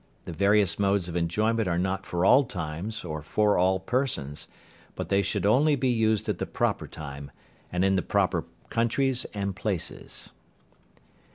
The various modes of enjoyment are not for all times or for all persons, but they should only be used at the proper time, and in the proper countries and places.